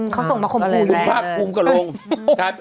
เขาส่งมาคมพูดแหละ